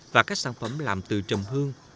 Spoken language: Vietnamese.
và các sản phẩm làm từ trầm hương